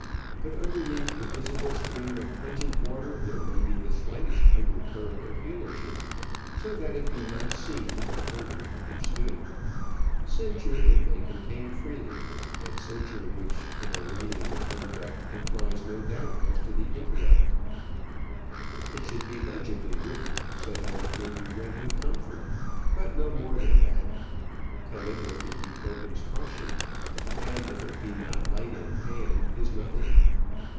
But underneath the visible stream of pungent water there may be the slightest under current of eulogy, so that it be not seen, but only understood. Censure it may contain freely, but censure which in arraigning the conduct implies no doubt as to the intellect. It should be legibly written, so that it may be read with comfort; but no more than that. Caligraphy betokens caution, and if it be not light in hand it is nothing.